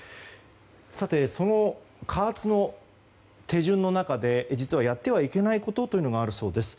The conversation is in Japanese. その加圧の手順の中で実はやってはいけないことというのがあるそうです。